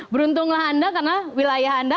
beruntunglah anda karena wilayah anda